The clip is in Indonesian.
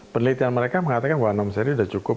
penelitian mereka mengatakan bahwa enam seri udah cukup